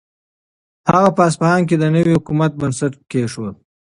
هغه په اصفهان کې د نوي حکومت بنسټ کېښود.